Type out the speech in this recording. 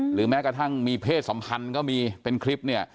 หรือแม้กระทั่งมีเพศสำคัญเป็นคลิป